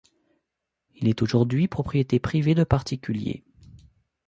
Il est aujourd'hui propriété privée de particuliers.